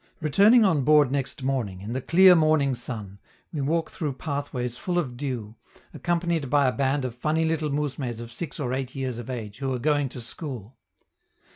Returning on board next morning, in the clear morning sun, we walk through pathways full of dew, accompanied by a band of funny little mousmes of six or eight years of age, who are going to school.